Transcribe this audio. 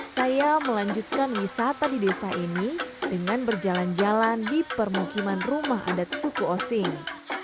saya melanjutkan wisata di desa ini dengan berjalan jalan di permukiman rumah adat suku osing